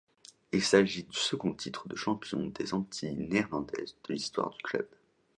Il s’agit du second titre de champion des Antilles néerlandaises de l’histoire du club.